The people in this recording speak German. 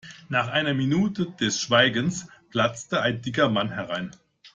Nach einer Minute des Schweigens platzte ein dicker Mann herein.